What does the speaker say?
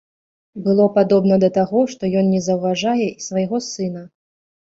Было падобна да таго, што ён не заўважае і свайго сына.